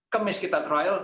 kemis kita percobaan